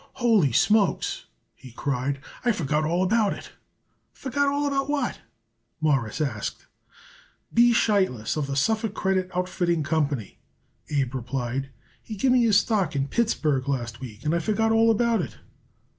"Ho ly smokes!" he cried. "I forgot all about it." "Forgot all about what?" Morris asked. "B. Sheitlis, of the Suffolk Credit Outfitting Company," Abe replied. "He give me a stock in Pittsburg last week, and I forgot all about it."